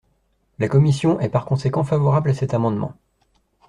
La commission est par conséquent favorable à cet amendement.